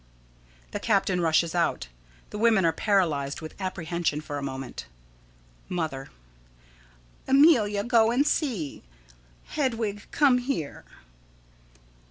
The captain rushes out. The women are paralyzed with apprehension for a moment._] Mother: Amelia, go and see. Hedwig, come here.